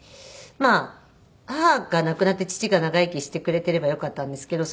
まあ母が亡くなって父が長生きしてくれていればよかったんですけど。